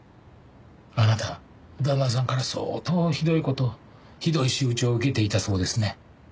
あなた旦那さんから相当ひどい事をひどい仕打ちを受けていたそうですね。